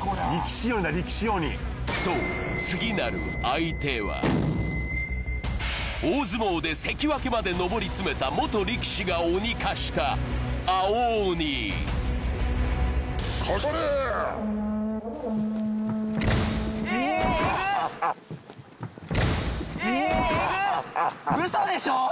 これ力士鬼だ力士鬼そう次なる相手は大相撲で関脇まで上り詰めた元力士が鬼化した青鬼うわえっエグッえっエグッ嘘でしょ